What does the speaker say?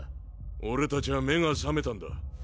俺達は目が覚めたんだ。